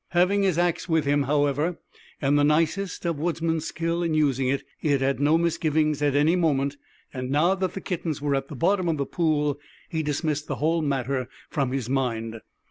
Having his axe with him, however, and the nicest of woodsman's skill in using it, he had had no misgivings at any moment, and, now that the kittens were at the bottom of the pool, he dismissed the whole matter from his mind.